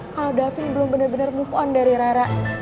kalo davin belum bener bener move on dari rara